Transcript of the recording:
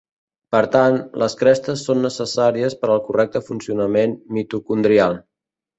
Per tant, les crestes són necessàries per al correcte funcionament mitocondrial.